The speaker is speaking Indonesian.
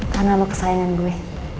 karena lo kesayangan gue